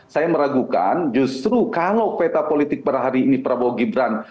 saya meragukan justru kalau peta politik per hari ini prabowo gibran